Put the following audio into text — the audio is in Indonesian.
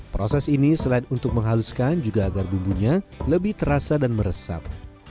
proses ini selain untuk menghaluskan juga agar bumbunya lebih terasa dan meresap